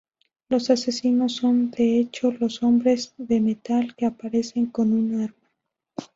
Los asesinos son de hecho los Hombres de Metal, que aparecen con un arma.